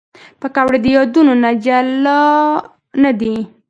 پکورې د یادونو نه جلا نه دي